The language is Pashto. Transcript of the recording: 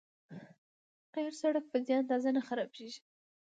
قیر سړک په دې اندازه نه خرابېږي.